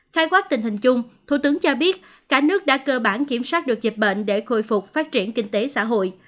khai quát tình hình chung thủ tướng cho biết cả nước đã cơ bản kiểm soát được dịch bệnh để khôi phục phát triển kinh tế xã hội